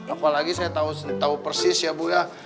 apalagi saya tahu persis ya bu ya